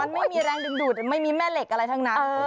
มันไม่มีแรงดึงดูดไม่มีแม่เหล็กอะไรทั้งนั้น